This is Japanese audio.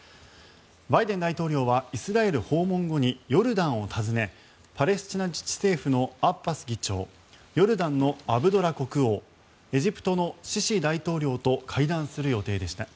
バイデン大統領はイスラエル訪問後にヨルダンを訪ねパレスチナ自治政府のアッバス議長ヨルダンのアブドラ国王エジプトのシシ大統領と会談する予定でした。